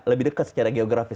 lebih dekat secara geografis